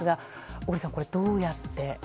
小栗さん、これどうやって？